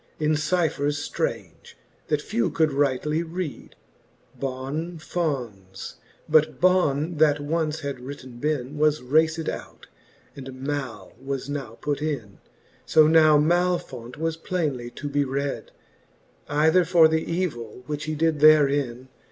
In cyphers ftrange, that few could rightly read, BON F O N 5 : but Ion that once had written bin> . Was raced out, and Mai was now put in. So now Malfo7it was plainely to be red j Either for th'evill, which he did therein